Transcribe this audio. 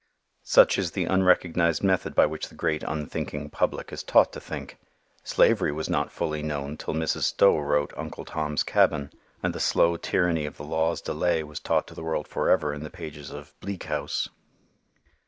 Such is the recognized method by which the great unthinking public is taught to think. Slavery was not fully known till Mrs. Stowe wrote "Uncle Tom's Cabin," and the slow tyranny of the law's delay was taught to the world for ever in the pages of "Bleak House."